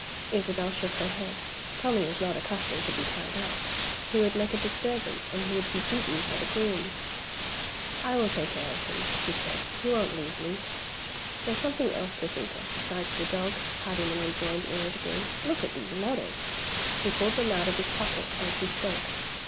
Isabel shook her head. Tommie was not accustomed to be tied up. He would make a disturbance, and he would be beaten by the grooms. "I will take care of him," she said. "He won't leave me." "There's something else to think of besides the dog," Hardyman rejoined irritably. "Look at these letters!" He pulled them out of his pocket as he spoke.